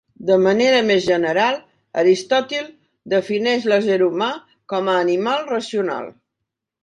De manera més general, Aristòtil defineix l'ésser humà com a «animal racional».